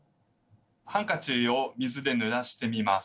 ハンカチを水でぬらしてみます。